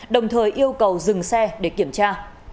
đồng thời yêu cầu dừng xe để kiểm tra